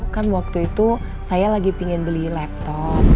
kan waktu itu saya lagi pingin beli laptop